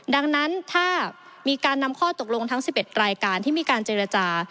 ดังนั้นถ้ามีการนำข้อตกลงทั้ง๑๑รายการที่มีการเจรจา